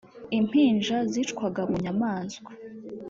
impinja zicwaga bunyamaswa